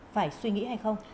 phải suy nghĩ hay không